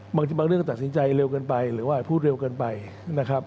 บางเรื่องตัดสินใจเร็วกันไปหรือว่าพูดเร็วกันไปนะครับ